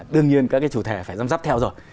đương nhiên các cái chủ thể phải giám sát theo rồi